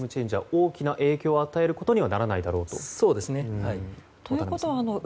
大きな影響を与えることにはならないだろうと。